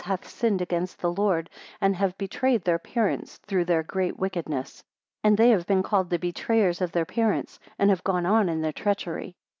hath sinned against the Lord, and have betrayed their parents, through their great wickedness. And they have been called the betrayers of their parents, and have gone on in their treachery.